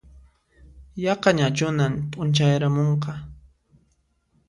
Yaqañachunan p'unchayaramunqa